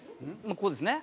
こうですね。